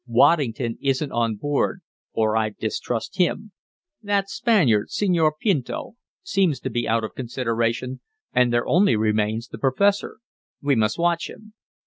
"Waddington isn't on board, or I'd distrust him. That Spaniard, Senor Pinto, seems to be out of consideration, and there only remains the professor. We must watch him."